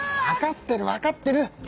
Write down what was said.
わかってるわかってる！